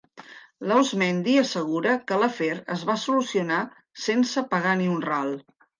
L'Auzmendi assegura que l'afer es va solucionar sense pagar ni un ral.